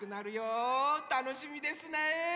たのしみですね。